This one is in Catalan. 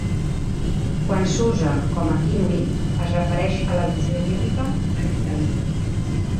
Quan s'usa com a kinnui, es refereix a l'al·lusió bíblica a Neftalí.